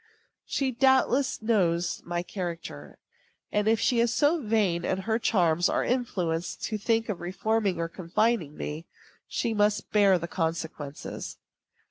She, doubtless, knows my character; and if she is so vain of her charms or influence as to think of reforming or confining me, she must bear the consequences.